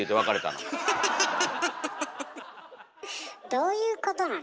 どういうことなの？